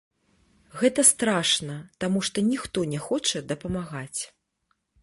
Гэта страшна, таму што ніхто не хоча дапамагаць.